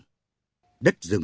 thoạt nhìn ai cũng tưởng